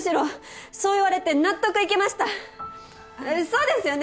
そうですよね。